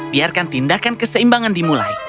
biarkan tindakan keseimbangan dimulai